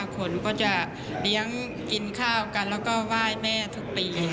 คนก็จะเลี้ยงกินข้าวกันแล้วก็ไหว้แม่ทุกปี